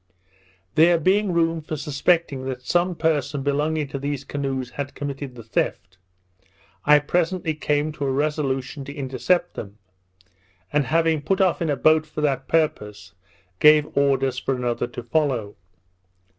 There being room for suspecting that some person belonging to these canoes had committed the theft, I presently came to a resolution to intercept them; and having put off in a boat for that purpose, gave orders for another to follow.